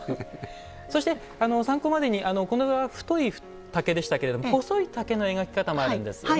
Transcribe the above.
そして参考までにこれは太い竹でしたけれど細い竹の描き方もあるんですよね。